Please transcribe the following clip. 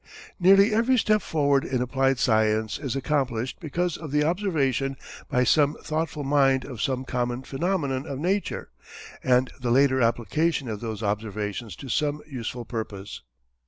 Nearly every step forward in applied science is accomplished because of the observation by some thoughtful mind of some common phenomenon of nature, and the later application of those observations to some useful purpose.